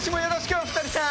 お２人さん。